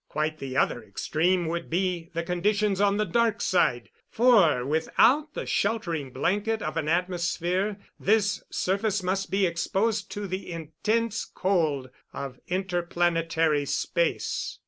Quite the other extreme would be the conditions on the dark side, for without the sheltering blanket of an atmosphere, this surface must be exposed to the intense cold of interplanetary space.